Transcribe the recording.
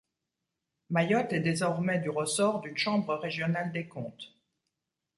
Mayotte est désormais du ressort d'une chambre régionale des comptes.